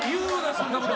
そんなこと。